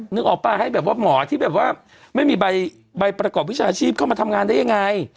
นึกออกป่ะให้แบบว่าหมอที่แบบว่าไม่มีใบประกอบวิชาชีพเข้ามาทำงานได้ยังไง